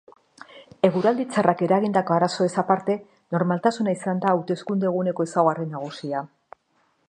Eguraldi txarrak eragindako arazoez aparte, normaltasuna izan da hauteskunde eguneko ezaugarri nagusia.